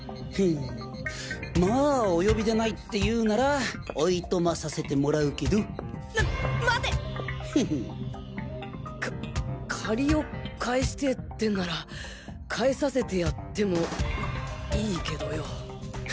まぁお呼びでないっていうならお暇させてもらうけど。ままて！！か借りを返してぇってんなら返させてやってもいいいけどよ。